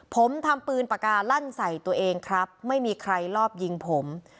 ผมทำปืนปากกาลั่นใส่ตัวเองครับไม่มีใครรอบยิงผม